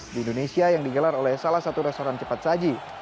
di indonesia yang digelar oleh salah satu restoran cepat saji